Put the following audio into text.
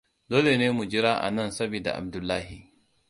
Dole ne mu jira anan sabida Abdullahi.